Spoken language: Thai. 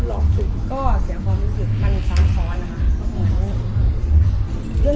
เพิ่งมารู้ตอนทีหลัง